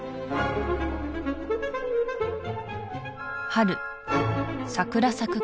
春桜咲く